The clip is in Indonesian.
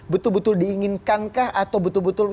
betul betul diinginkankah atau betul betul